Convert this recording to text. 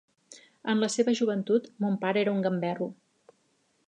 En la seva joventut, mon pare era un gamberro.